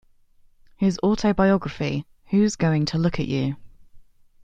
His autobiography, Who's Going To Look At You?